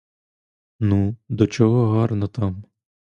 Ну, до чого гарно там!